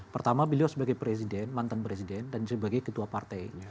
pertama beliau sebagai presiden mantan presiden dan sebagai ketua partai